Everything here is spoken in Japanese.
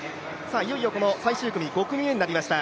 いよいよ最終組、５組目になりました。